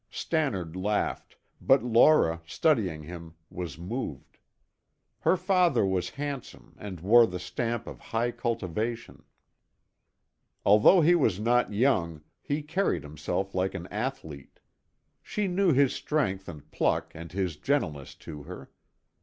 Stannard laughed, but Laura, studying him, was moved. Her father was handsome and wore the stamp of high cultivation. Although he was not young, he carried himself like an athlete. She knew his strength and pluck and his gentleness to her.